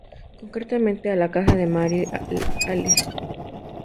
Concretamente a la casa de Mary Alice.